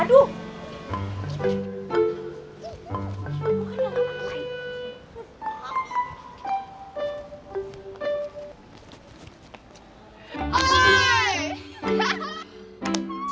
kalian tuh ngapain sih